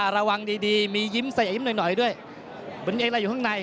ระวังดีดีมียิ้มใส่ยิ้มหน่อยหน่อยด้วยเหมือนมีอะไรอยู่ข้างใน